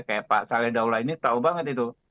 kayak pak saleh daulah ini tahu banget itu